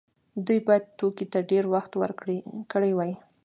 دوی باید توکو ته ډیر وخت ورکړی وای.